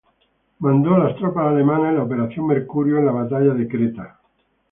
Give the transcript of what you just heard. Mandó las tropas alemanas en la Operación Mercurio en la Batalla de Creta.